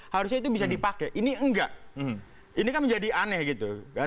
harusnya itu bisa dipakai ini enggak ini kan menjadi aneh gitu